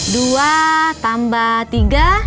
dua tambah tiga